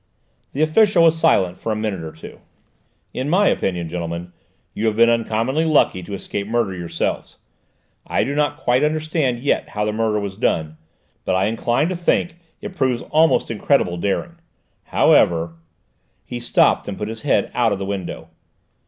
The official was silent for a minute or two. "In my opinion, gentlemen, you have been uncommonly lucky to escape murder yourselves. I do not quite understand yet how the murder was done, but I incline to think it proves almost incredible daring. However " He stopped and put his head out of the window.